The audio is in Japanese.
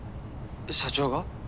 社長が？